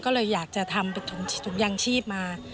ก็เลยอยากจะทำเป็นถุงยางชีพมา